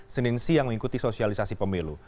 senin siang mengikuti sosialisasi pemilu